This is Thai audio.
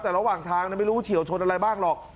แต่ระหว่างทางไม่รู้เฉียวชนอะไรบ้างหรอก